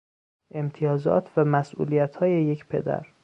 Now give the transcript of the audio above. امتیازات و مسئولیتهای یک پدر